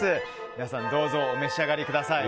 皆さんどうぞお召し上がりください。